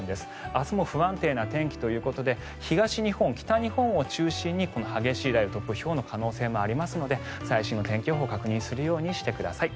明日も不安定な天気ということで東日本、北日本を中心に激しい雷雨、突風、ひょうの可能性もありますので最新の天気予報を確認するようにしてください。